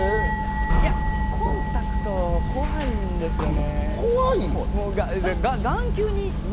コンタクト怖いんですよね。